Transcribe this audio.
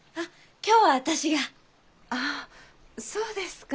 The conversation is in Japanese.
あそうですか。